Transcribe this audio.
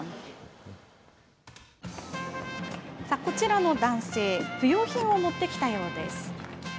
こちらの男性不要品を持ってきたようです。